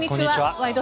「ワイド！